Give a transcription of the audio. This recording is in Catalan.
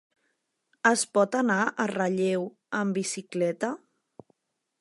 Es pot anar a Relleu amb bicicleta?